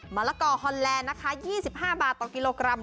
ละกอฮอนแลนด์นะคะ๒๕บาทต่อกิโลกรัม